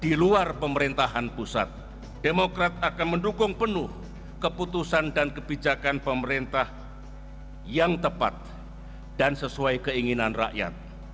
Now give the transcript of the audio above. di luar pemerintahan pusat demokrat akan mendukung penuh keputusan dan kebijakan pemerintah yang tepat dan sesuai keinginan rakyat